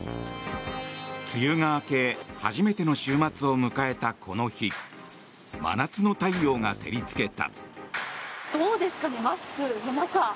梅雨が明け初めての週末を迎えたこの日真夏の太陽が照りつけた。